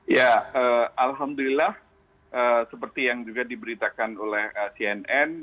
ya alhamdulillah seperti yang juga diberitakan oleh cnn